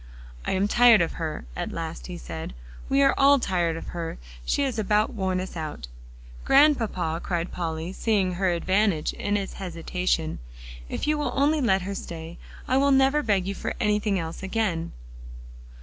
"I'm tired of her," at last he said; "we are all tired of her; she has about worn us out." "Grandpapa," cried Polly, seeing her advantage in his hesitation, "if you will only let her stay, I will never beg you for anything again."